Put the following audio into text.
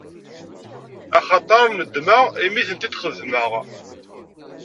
Axaṭer nedmeɣ imi i ten-id-xedmeɣ.